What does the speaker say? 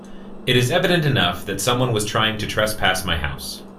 It is evident enough that someone was trying to trespass my house.